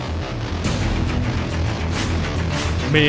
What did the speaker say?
เพื่อนผู้ซื่อสัตว์